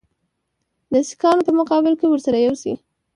د سیکهانو په مقابل کې ورسره یو شي.